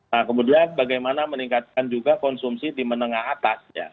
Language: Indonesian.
nah kemudian bagaimana meningkatkan juga konsumsi di menengah atasnya